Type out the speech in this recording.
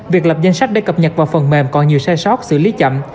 việc lập danh sách để cập nhật vào phần mềm còn nhiều sai sót xử lý chậm